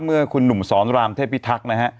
เมื่อคุณหนุ่มสอนรามเทพิทักษ์นะฮะ